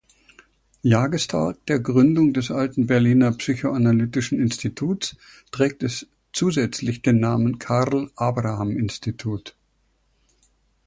Jahrestag der Gründung des alten Berliner Psychoanalytischen Instituts, trägt es zusätzlich den Namen "Karl-Abraham-Institut".